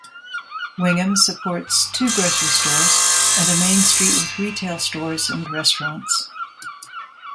Wingham supports two grocery stores, and a main street with retail stores and restaurants.